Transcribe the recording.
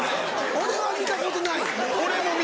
俺も見たことない。